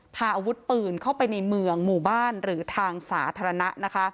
พาอาวุธปืนเข้าไปในเมืองหมู่บ้านหรือทางสาธารณะนะคะ